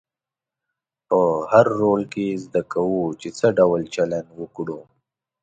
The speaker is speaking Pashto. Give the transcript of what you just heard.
په هر رول کې زده کوو چې څه ډول چلند وکړو.